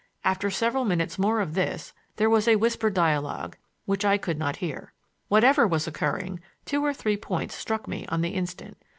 After several minutes more of this there was a whispered dialogue which I could not hear. Whatever was occurring, two or three points struck me on the instant.